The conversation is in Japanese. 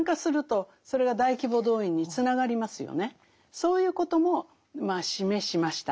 そういうこともまあ示しました。